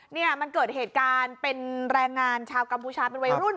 เนี่ยมันเกิดเหตุการณ์เป็นแรงงานชาวกัมพูชาเป็นวัยรุ่น